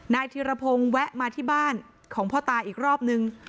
ธิรพงศ์แวะมาที่บ้านของพ่อตาอีกรอบนึง